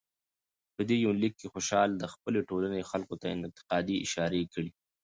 په دې يونليک کې خوشحال د خپلې ټولنې خلکو ته انتقادي اشاره کړى